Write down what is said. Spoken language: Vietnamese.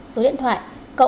số điện thoại